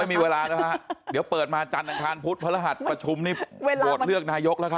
ไม่มีเวลาแล้วฮะเดี๋ยวเปิดมาจันทร์อังคารพุธพระรหัสประชุมนี่โหวตเลือกนายกแล้วครับ